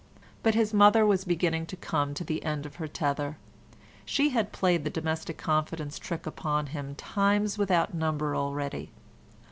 But his mother was beginning to come to the end of her tether; she had played the domestic confidence trick upon him times without number already.